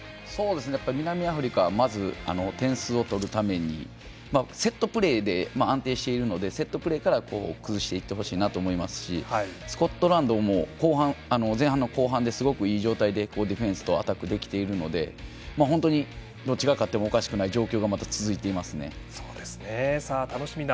南アフリカはまず点数を取るためにセットプレーが安定しているのでセットプレーから崩していってほしいなと思いますしスコットランドは前半の後半ですごくいい状態でディフェンスとアタックできているので本当に、どっちが勝ってもおかしくない状況が楽しみな